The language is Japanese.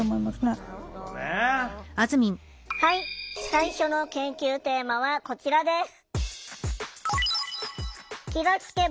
最初の研究テーマはこちらです。